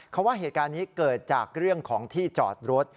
เขาว่าเหตุการณ์นี้เกิดจากเรื่องของที่จอดรถ